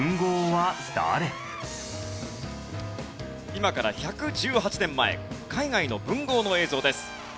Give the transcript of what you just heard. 今から１１８年前海外の文豪の映像です。